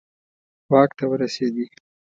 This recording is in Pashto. واک ته ورسېدي.